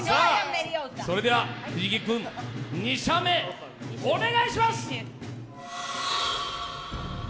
それでは藤木君、２射目お願いします。